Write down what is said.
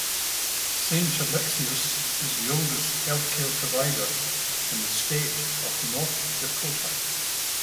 Saint Alexius is the oldest healthcare provider in the state of North Dakota.